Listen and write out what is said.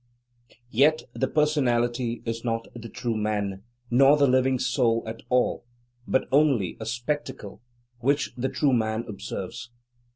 Yet the personality is not the true man, not the living soul at all, but only a spectacle which the true man observes.